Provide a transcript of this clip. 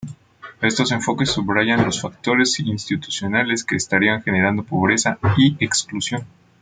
Estos enfoques subrayan los factores institucionales que estarían generando pobreza y exclusión.